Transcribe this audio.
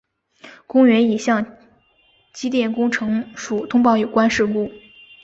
公园已向机电工程署通报有关事故。